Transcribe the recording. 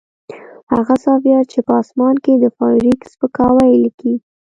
هغه سافټویر چې په اسمان کې د فارویک سپکاوی لیکي